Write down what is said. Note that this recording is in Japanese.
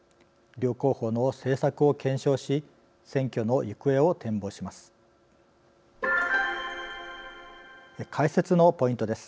両候補の政策を検証し選挙の行方を展望します。